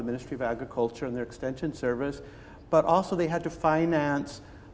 dan itu adalah tugas dari kementerian pembangunan dan pertanian pertanian